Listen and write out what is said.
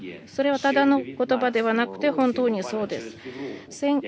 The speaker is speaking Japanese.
それは、ただの言葉ではなくて本当にそうです。